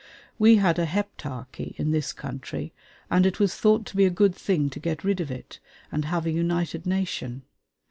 We had a Heptarchy in this country, and it was thought to be a good thing to get rid of it, and have a united nation.